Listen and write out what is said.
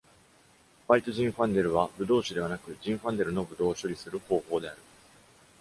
ホワイト･ジンファンデルはブドウ種ではなく、ジンファンデル.のブドウを処理する方法である。